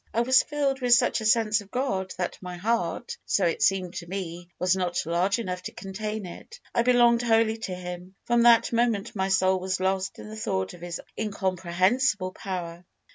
I was filled with such a sense of God that my heart so it seemed to me was not large enough to contain it. I belonged wholly to Him. From that moment my soul was lost in the thought of His incomprehensible power.